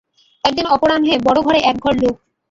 একদিন অপরাহ্নে বড় ঘরে একঘর লোক।